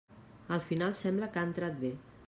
Al final sembla que ha entrat bé.